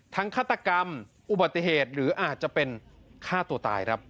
ฆาตกรรมอุบัติเหตุหรืออาจจะเป็นฆ่าตัวตายครับ